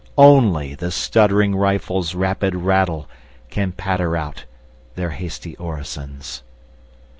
Only the stuttering rifles' rapid rattle Can patter out their hasty orisons.